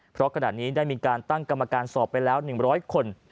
เพราะขณะนี้ได้มีการตั้งกรรมการสอบไปแล้ว๑๐๐คน